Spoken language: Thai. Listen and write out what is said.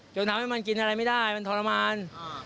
ทำให้มันกินอะไรไม่ได้มันทรมาน